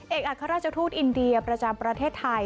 อัครราชทูตอินเดียประจำประเทศไทย